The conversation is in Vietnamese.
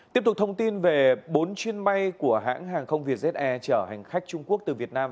tiếp tục thông tin về bốn chuyên bay của hãng hàng không việt ze chở hành khách trung quốc từ việt nam